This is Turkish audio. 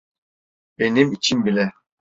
Benim için bile.